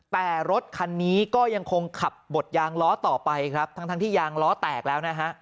แต่รถคันนี้ก็ยังคงขับบดยางล้อต่อไปครับทั้งทั้งที่ยางล้อแตกแล้วนะฮะ